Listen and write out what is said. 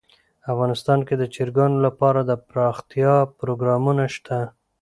افغانستان کې د چرګانو لپاره دپرمختیا پروګرامونه شته.